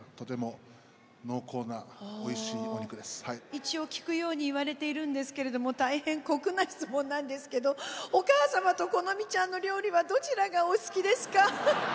一応聞くように言われているんですけれども大変酷な質問なんですけどお母様とこのみちゃんの料理はどちらがお好きですか？